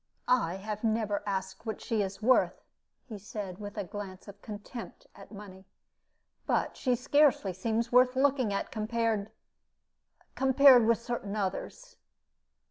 "I have never asked what she is worth," he said, with a glance of contempt at money; "but she scarcely seems worth looking at, compared compared with certain others."